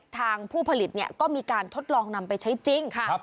ทางผู้ผลิตก็มีการทดลองนำไปใช้จริงค่ะ